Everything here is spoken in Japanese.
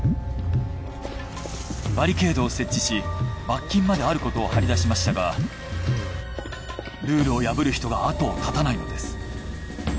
バリケードを設置し罰金まであることを貼り出しましたがルールを破る人が後を絶たないのです。